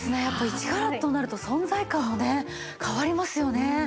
やっぱ１カラットとなると存在感もね変わりますよね。